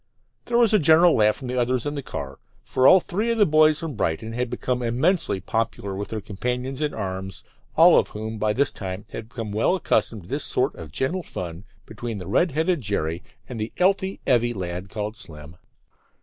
There was a general laugh from the others in the car, for all three of the boys from Brighton had become immensely popular with their companions in arms, all of whom by this time had become well accustomed to this sort of gentle fun between the red headed Jerry and "the 'ealthy, 'eavy lad" called Slim.